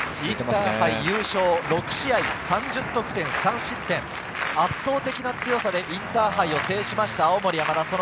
インターハイ優勝、６試合３０得点３失点、圧倒的な強さでインターハイを制しました、青森山田。